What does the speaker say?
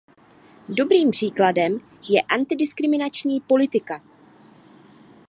Dobrým příkladem je antidiskriminační politika.